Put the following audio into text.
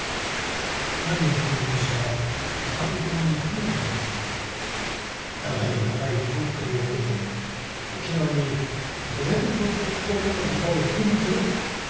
何人かの有志が豚と共に船に乗り込み長い長い航海を経て沖縄に５５０頭もの豚を送り届けた。